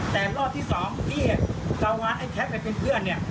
แต่รอดที่สองที่เจ้าหวานแค๊ปไปเป็นเพื่อน